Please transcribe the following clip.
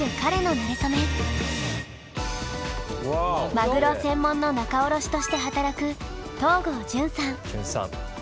マグロ専門の仲卸として働く潤さん。